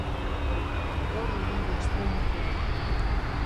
Gaur egin du estreinekoa.